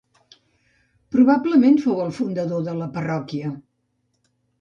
Probablement, fou el fundador de la parròquia.